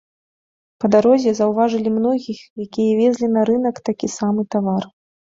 Па дарозе заўважылі многіх, якія везлі на рынак такі самы тавар.